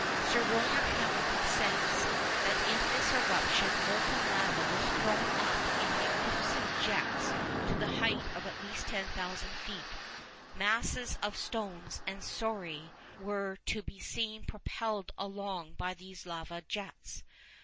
Sir William Hamilton says, that in this eruption molten lava was thrown up in magnificent jets to the height of at least 10,000 feet. Masses of stones and scoriæ were to be seen propelled along by these lava jets.